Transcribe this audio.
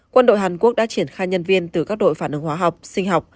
quân đội hàn quốc đã triển khai nhân viên từ các đội phản ứng hóa học sinh học